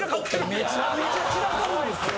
めちゃめちゃ散らかるんですよ。